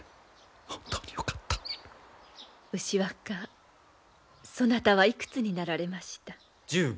牛若そなたはいくつになられました？